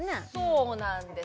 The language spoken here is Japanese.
そうなんです